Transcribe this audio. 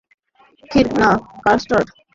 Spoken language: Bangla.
খিঁর না কাস্টার্ড?